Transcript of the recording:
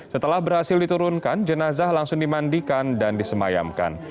setelah berhasil diturunkan jenazah langsung dimandikan dan disemayamkan